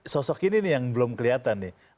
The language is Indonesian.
sosok ini nih yang belum kelihatan nih